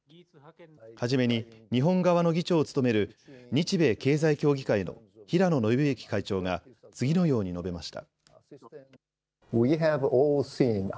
初めに日本側の議長を務める日米経済協議会の平野信行会長が次のように述べました。